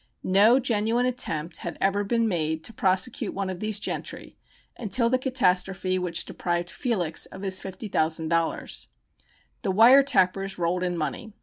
No genuine attempt had ever been made to prosecute one of these gentry until the catastrophe which deprived Felix of his $50,000. The "wire tappers" rolled in money.